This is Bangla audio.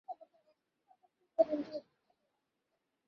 তবে সেখান থেকে এইচএসসি পরীক্ষা দিতে হলে তাঁকে শহরে থাকতে হতো।